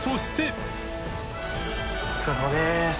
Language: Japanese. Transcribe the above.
▲蕁お疲れさまです。